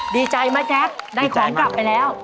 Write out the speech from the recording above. ดีใจไหมแจ๊คได้ของกลับไปแล้ว